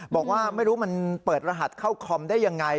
บอกว่าไม่รู้มันเปิดรหัสเข้าคอมได้ยังไง